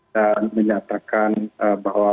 dan menyatakan bahwa